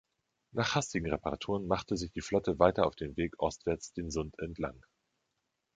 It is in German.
Nach hastigen Reparaturen machte sich die Flotte weiter auf den Weg ostwärts den Sund entlang.